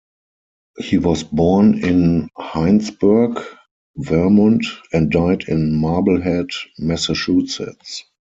He was born in Hinesburg, Vermont and died in Marblehead, Massachusetts.